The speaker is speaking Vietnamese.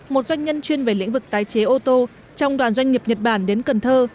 một doanh nhân chuyên về lĩnh vực tái chế ô tô trong đoàn doanh nghiệp nhật bản đến cần thơ